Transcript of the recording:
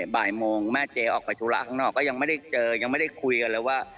บ่ายโมงแม่เจออกไปธุระข้างนอกก็ยังไม่ได้เจอยังไม่ได้คุยกันเลยว่า